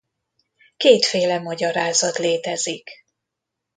Kétféle magyarázat létezik.